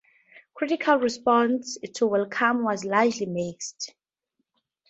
Critical response to "Welcome" was largely mixed.